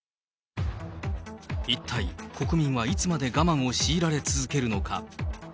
一体、国民はいつまで我慢を強いられ続けるのか。